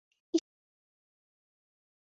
কীসের জন্য এতো দুঃখ?